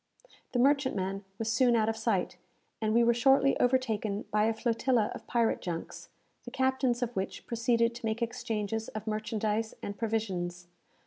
The merchantman was soon out of sight, and we were shortly overtaken by a flotilla of pirate junks, the captains of which proceeded to make exchanges of merchandise and provisions.